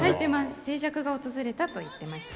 静寂が訪れたと言っていました。